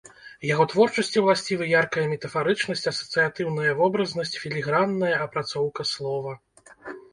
Яго творчасці ўласцівы яркая метафарычнасць, асацыятыўная вобразнасць, філігранная апрацоўка слова.